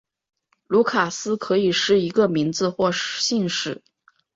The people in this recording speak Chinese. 卢卡斯可以是一个名字或姓氏。